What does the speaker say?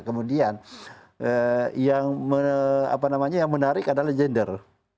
kemudian yang menarik adalah gender